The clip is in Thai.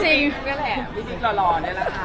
นี่แหละพี่จิ๊กหล่อนี่แหละค่ะ